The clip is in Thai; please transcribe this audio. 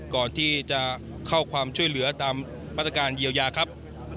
ก่อนที่จะเข้าความช่วยเหลือตามมาตรการเยียวยาครับ